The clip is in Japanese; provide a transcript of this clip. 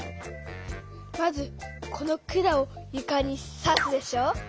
まずこの管をゆかにさすでしょ。